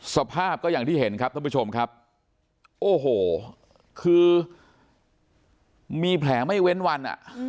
สภาพก็อย่างที่เห็นครับท่านผู้ชมครับโอ้โหคือมีแผลไม่เว้นวันอ่ะ